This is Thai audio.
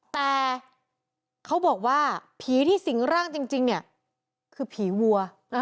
แต่เขาบอกว่าผีที่สิงร่างจริงเนี่ยคือผีวัว